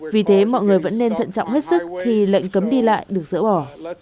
vì thế mọi người vẫn nên thận trọng hết sức khi lệnh cấm đi lại được dỡ bỏ